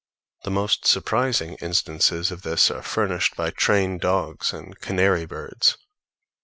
The most surprising instances of this are furnished by trained dogs and canary birds.